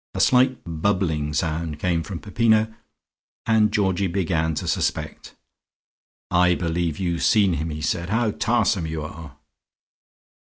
A slight bubbling sound came from Peppino, and Georgie began to suspect. "I believe you've seen him!" he said. "How tarsome you are...."